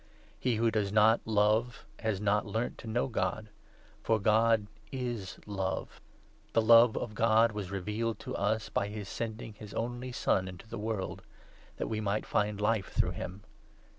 He who does not love has 8 not learnt to know God ; for God is Love. The love of God 9 was revealed to us by his sending his only Son into the world, that we might find Life through him.